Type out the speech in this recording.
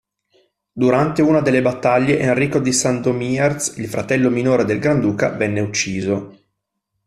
Durante una delle battaglie Enrico di Sandomierz, il fratello minore del granduca, venne ucciso.